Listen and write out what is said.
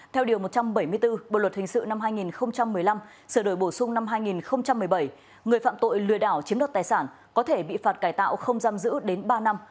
theo điều một trăm bảy mươi bốn bộ luật hình sự năm hai nghìn một mươi năm sửa đổi bổ sung năm hai nghìn một mươi bảy người phạm tội lừa đảo chiếm đoạt tài sản có thể bị phạt cải tạo không giam giữ đến ba năm